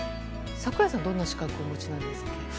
櫻井さん、どんな資格をお持ちなんですか？